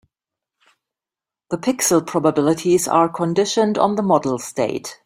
The pixel probabilities are conditioned on the model state.